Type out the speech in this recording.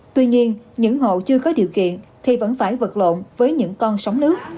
tuy nhiên những hộ chưa có điều kiện thì vẫn phải vật lộn với những con sóng nước